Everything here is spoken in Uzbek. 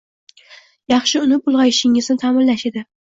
yaxshi unib-ulg'ayishingizni ta'minlash edi.